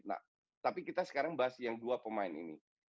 nah tapi kita sekarang bahas yang dua pemain ini